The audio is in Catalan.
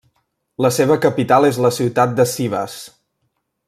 La seva capital és la ciutat de Sivas.